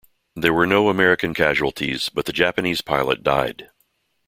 There were no American casualties, but the Japanese pilot died.